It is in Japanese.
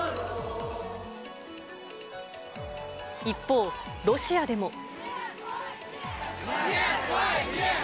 一方、ロシアでも。